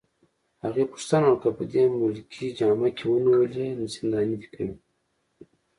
هغې پوښتنه وکړه: که په دې ملکي جامه کي ونیولې، زنداني دي کوي؟